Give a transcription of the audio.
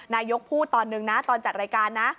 นายกพูดตอนนึงนะตอนจัดรายการนะ